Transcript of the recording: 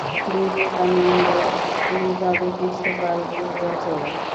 বিবে কানন্দ এইভাবে কিছুকাল বলিয়া চলেন।